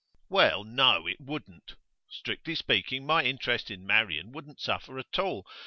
'Well, no, it wouldn't. Strictly speaking, my interest in Marian wouldn't suffer at all.